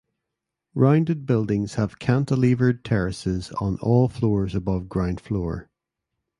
Rounded buildings have Cantileveredterraces on all floors above ground floor.